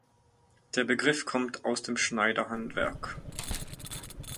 Der Begriff kommt aus dem Schneiderhandwerk.